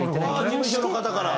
事務所の方から？